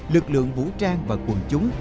lực lượng vũ trang và quần chúng